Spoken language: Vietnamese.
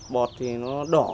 bọt thì nó đỏ